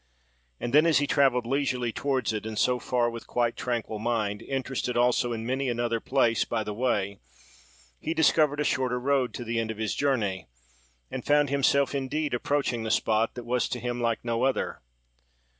And then, as he travelled leisurely towards it, and so far with quite tranquil mind, interested also in many another place by the way, he discovered a shorter road to the end of his journey, and found himself indeed approaching the spot that was to him like no other.